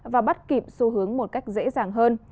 và bắt kịp xu hướng một cách dễ dàng hơn